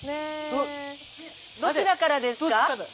どちらからですか？